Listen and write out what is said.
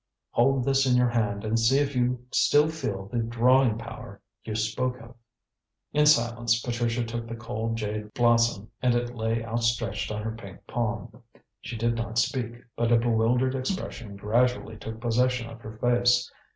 "Hold this in your hand and see if you still feel the drawing power you spoke of." In silence Patricia took the cold jade blossom, and it lay outstretched on her pink palm. She did not speak, but a bewildered expression gradually took possession of her face.